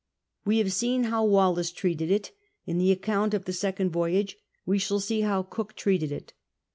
We have seen how Wallis treated it; in the account of the second voyage we shall see how Cook treated it.